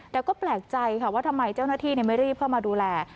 แต่ก็แปลกใจค่ะว่าทำไมเจ้าหน้าที่ไม่รีบเข้ามาดูแล